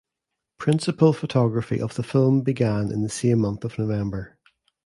Principal photography of the film began in the same month of November.